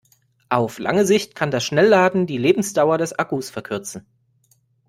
Auf lange Sicht kann das Schnellladen die Lebensdauer des Akkus verkürzen.